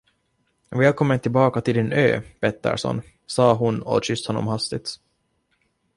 Välkommen tillbaka till din ö, Pettersson, sade hon och kysste honom hastigt.